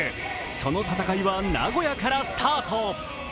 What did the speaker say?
その戦いは名古屋からスタート。